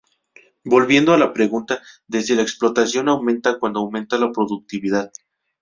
Volviendo a la pregunta de si la explotación aumenta cuando aumenta la productividad.